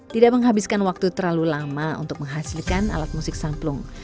tidak menghabiskan waktu terlalu lama untuk menghasilkan alat musik samplung